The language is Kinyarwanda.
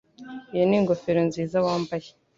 Iyo ni ingofero nziza wambaye.